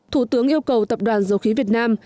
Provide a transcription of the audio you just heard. thủ tướng yêu cầu tập đoàn dầu khí việt nam